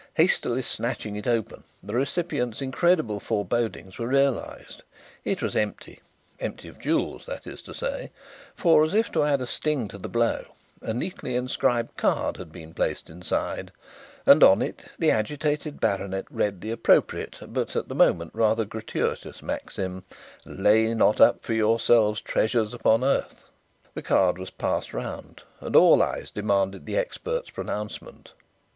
Hastily snatching it open, the recipient's incredible forebodings were realized. It was empty empty of jewels, that is to say, for, as if to add a sting to the blow, a neatly inscribed card had been placed inside, and on it the agitated baronet read the appropriate but at the moment rather gratuitous maxim: "Lay not up for yourselves treasures upon earth " The card was passed round and all eyes demanded the expert's pronouncement.